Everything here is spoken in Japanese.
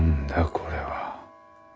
これは。